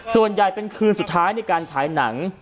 ส่วนใหญ่เป็นคืนสุดท้ายในการฉายหนัง